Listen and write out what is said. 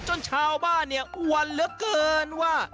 จนชาวบ้านเนี่ยอวนเหลือเกินว่า